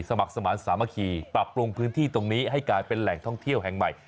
สมัครสมาธิสามัคคีปรับปรุงพื้นที่ตรงนี้ให้กลายเป็นแหล่งท่องเที่ยวแห่งใหม่